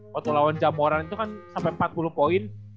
waktu lawan jamboran itu kan sampai empat puluh poin